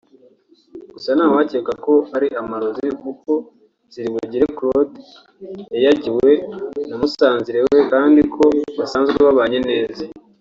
Gusa ngo ntawakeka ko ari amarozi kuko Ziribugire Claude yayagiwe na musanzire we kandi ko basanzwe babanye neza